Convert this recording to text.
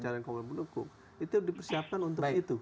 carian komunikasi pendukung itu dipersiapkan untuk itu